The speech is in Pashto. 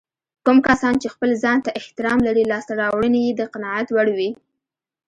کوم کسان چې خپل ځانته احترام لري لاسته راوړنې يې د قناعت وړ وي.